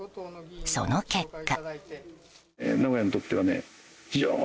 その結果。